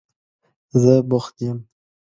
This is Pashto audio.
زه بوخت یم.